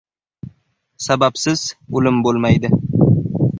• Sababsiz o‘lim bo‘lmaydi.